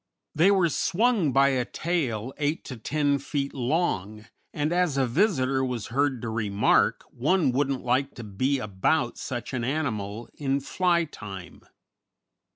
They were swung by a tail eight to ten feet long, and as a visitor was heard to remark, one wouldn't like to be about such an animal in fly time.